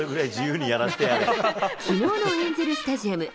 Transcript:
きのうのエンゼルスタジアム。